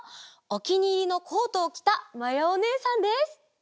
おきにいりのコートをきたまやおねえさんです！